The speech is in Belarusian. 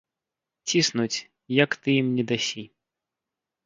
Ціснуць, як ты ім не дасі.